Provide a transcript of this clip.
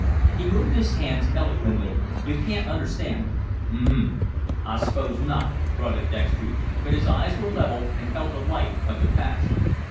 He moved his hands eloquently. "You can't understand." "Um m! I s'pose not," grunted Dextry, but his eyes were level and held the light of the past.